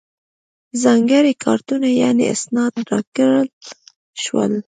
ځانګړي کارتونه یعنې اسناد راکړل شول.